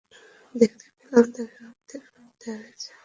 দেখতে পেলাম, তাকে অর্ধেক রূপ দেয়া হয়েছে।